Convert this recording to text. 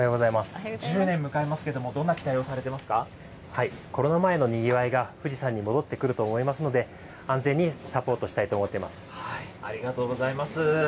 １０年迎えますけれども、どコロナ前のにぎわいが富士山に戻ってくると思いますので、安全にサポートしたいと思っていまありがとうございます。